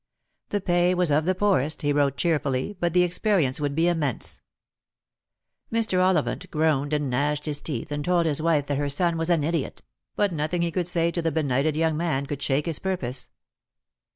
The pay was of the poorest, he wrote cheerfully, but the experience would be immense. Mr. Ollivant groaned and gnashed his teeth, and told his wife that her son was an idiot ; but nothing he could say to the benighted young man could shake his purpose.